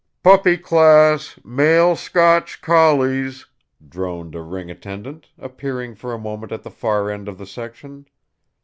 "Puppy Class, Male Scotch Collies!" droned a ring attendant, appearing for a moment at the far end of the section.